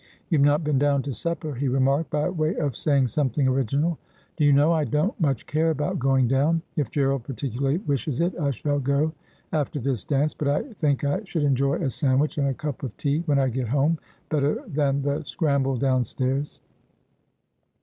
' You've not been down to supper,' he remarked, by way of saying something original. ' Do you know, I don't much care about going down. If Gerald particularly wishes it I shall go after this dance ; but I think I should enjoy a sandwich and a cup of tea when I get home better than the scramble downstairs.'